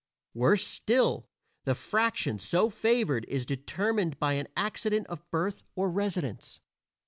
Worse still, the fraction so favored is determined by an accident of birth or residence.